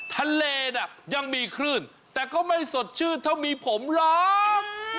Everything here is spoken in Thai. ทะเลน่ะยังมีคลื่นแต่ก็ไม่สดชื่นเท่ามีผมรัก